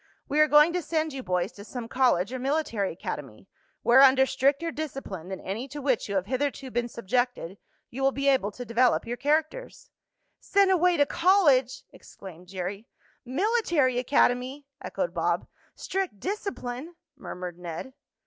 "We are going to send you boys to some college or military academy, where, under stricter discipline than any to which you have hitherto been subjected, you will be able to develop your characters." "Sent away to college!" exclaimed Jerry. "Military academy!" echoed Bob. "Strict discipline!" murmured Ned.